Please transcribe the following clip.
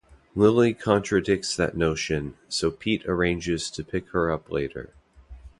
Lily contradicts that notion, so Pete arranges to pick her up later.